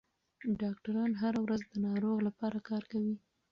ډاکټران هره ورځ د ناروغ لپاره کار کوي.